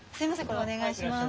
これお願いします。